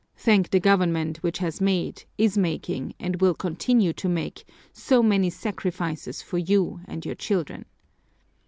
Thank the government, which has made, is making, and will continue to make, so many sacrifices for you and your children!